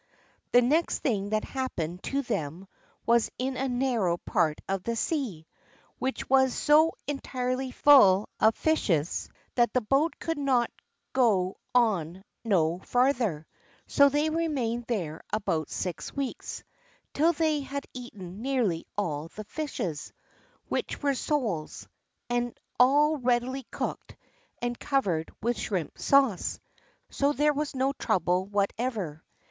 The next thing that happened to them was in a narrow part of the sea, which was so entirely full of fishes that the boat could go on no farther; so they remained there about six weeks, till they had eaten nearly all the fishes, which were soles, and all ready cooked, and covered with shrimp sauce, so that there was no trouble whatever.